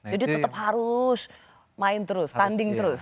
jadi tetap harus main terus tanding terus